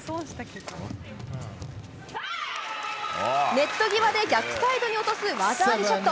ネット際で逆サイドに落とす技ありショット。